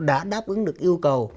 đã đáp ứng được yêu cầu